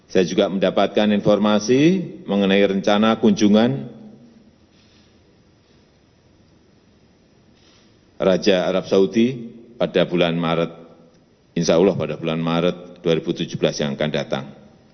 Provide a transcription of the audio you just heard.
saya juga mendapatkan informasi mengenai rencana kunjungan raja arab saudi pada bulan maret dua ribu tujuh belas yang akan datang